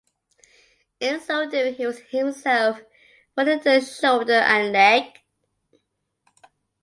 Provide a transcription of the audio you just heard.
In so doing he was himself wounded in the shoulder and leg.